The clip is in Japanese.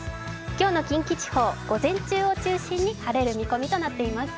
今日の近畿地方、午前中を中心に晴れる見込みとなっています。